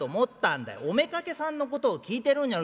お妾さんのことを聞いてるんじゃない」。